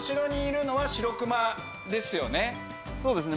そうですね。